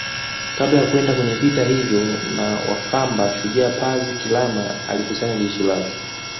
Kabla ya kwenda kwenye vita hivyo na wakamba Shujaa Pazi Kilama alikusanya jeshi lake